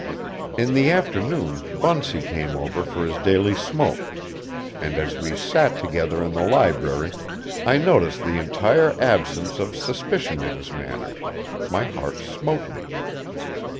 In the afternoon Bunsey came over for his daily smoke, and as we sat together in the library, and I noticed the entire absence of suspicion in his manner, my heart smote me.